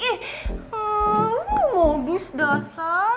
ih lu modus dasar